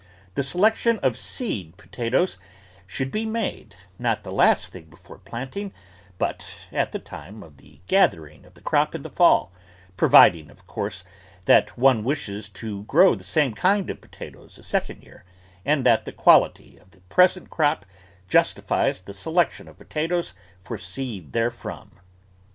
The selection of seed potatoes should be made, not the last thing before planting, but at the time of the gathering of the crop in the fall, providing, of course, that one wishes to grow the same kind of potatoes a second year and that the quality of the present crop justifies the selection of potatoes for seed therefrom.